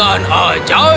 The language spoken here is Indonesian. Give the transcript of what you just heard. ikan ajaib bisa dengar aku